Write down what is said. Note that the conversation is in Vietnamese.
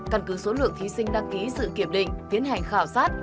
căn cứ số lượng thí sinh đăng ký sự kiểm định tiến hành khảo sát